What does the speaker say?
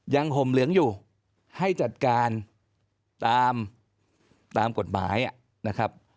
ห่มเหลืองอยู่ให้จัดการตามตามกฎหมายนะครับ